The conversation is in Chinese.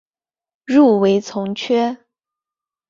入围从缺。